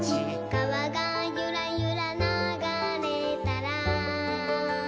「かわがゆらゆらながれたら」